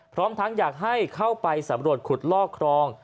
พร้อมทั้งอยากให้เข้าไปสำรวจขุดลอกครอง